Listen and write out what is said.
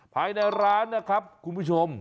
ภายในร้านนะครับคุณผู้ชม